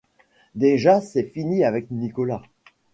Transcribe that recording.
Déjà c’est fini avec Nicolas.